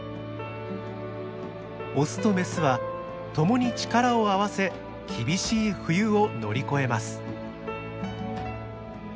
オスとメスは共に力を合わせ厳しい冬を乗り越えます。